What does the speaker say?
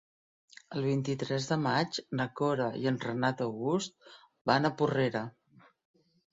El vint-i-tres de maig na Cora i en Renat August van a Porrera.